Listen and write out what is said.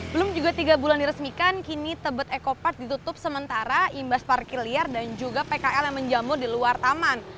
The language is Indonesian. belum juga tiga bulan diresmikan kini tebet eco park ditutup sementara imbas parkir liar dan juga pkl yang menjamur di luar taman